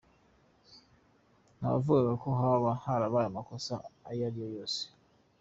Ntawuravuga ko hoba harabaye amakosa ayo ari yo yose.